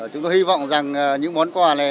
chúng tôi hy vọng rằng những món quà này